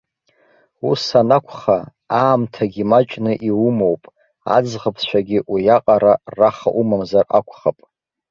Ус анакәха, аамҭагьы маҷны иумоуп, аӡӷабцәагьы уиаҟара раха умамзар акәхап.